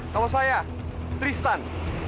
kalau saya tristan